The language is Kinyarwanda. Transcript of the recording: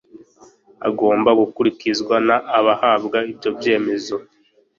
agomba gukurikizwa n abahabwa ibyo byemezo